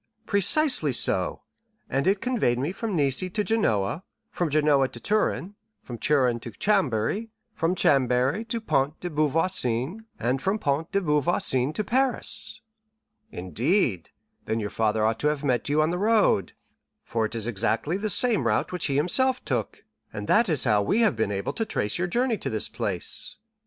"Precisely so; and it conveyed me from Nice to Genoa, from Genoa to Turin, from Turin to Chambéry, from Chambéry to Pont de Beauvoisin, and from Pont de Beauvoisin to Paris." 30133m "Indeed? Then your father ought to have met with you on the road, for it is exactly the same route which he himself took, and that is how we have been able to trace your journey to this place."